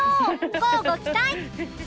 乞うご期待！